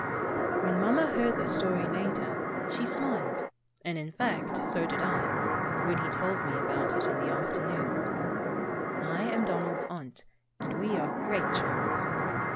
When Mamma heard the story later, she smiled, and in fact, so did I, when he told me about it in the afternoon. (I am Donald's aunt, and we are great chums.)